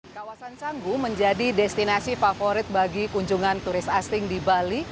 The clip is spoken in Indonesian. kawasan canggu menjadi destinasi favorit bagi kunjungan turis asing di bali